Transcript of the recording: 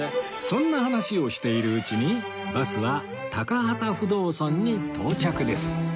そんな話をしているうちにバスは高幡不動尊に到着です